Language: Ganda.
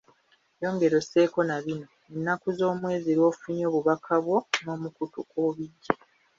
Yongera osseeko na bino; ennaku z’omwezi lw’ofunye obubaka obwo n'omukutu kw’obiggye.